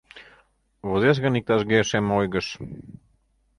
Возеш гын иктаж-кӧ шем ойгыш